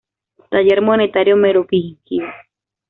Taller monetario merovingio.